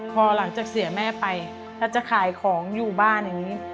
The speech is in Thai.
พอหลังจากเสียแม่ไปแล้วจะขายของอยู่บ้านอย่างนี้